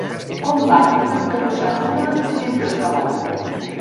Com l'àncora: que no sap nedar i sempre és a l'aigua.